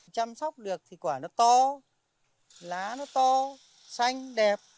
chăm sóc được thì quả nó to lá nó to xanh đẹp